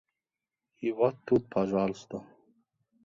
И вот тут, пожалуйста!..